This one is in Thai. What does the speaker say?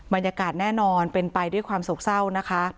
บรรยากาศแน่นอนเป็นไปด้วยความโศกเศร้านะคะ